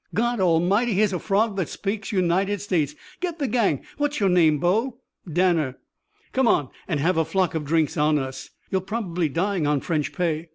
"God Almighty! Here's a Frog that speaks United States. Get the gang. What's your name, bo?" "Danner." "Come on an' have a flock of drinks on us. You're probably dying on French pay.